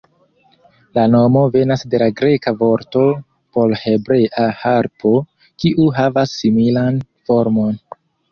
La nomo venas de la greka vorto por hebrea harpo, kiu havas similan formon.